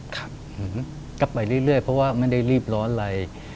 กลับไปเรื่อยเพราะว่าไม่ได้รีบร้อนอะไร